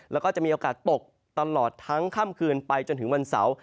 แล้วก็จะมีโอกาสตกตลอดทั้งค่ำคืนไปจนถึงวันเสาร์